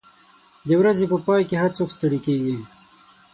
د ورځې په پای کې هر څوک ستړي کېږي.